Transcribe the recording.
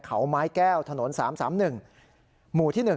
เขาไม้แก้วถนน๓๓๑หมู่ที่๑